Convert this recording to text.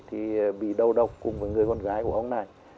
thì bị đầu độc cùng với người con gái của ông này